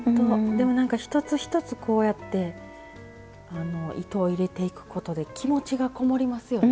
でもなんか一つ一つこうやって糸を入れていくことで気持ちがこもりますよね